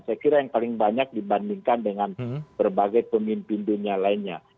saya kira yang paling banyak dibandingkan dengan berbagai pemimpin dunia lainnya